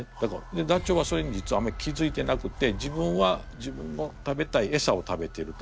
でダチョウはそれに実はあんまり気付いてなくて自分は自分の食べたいエサを食べてると。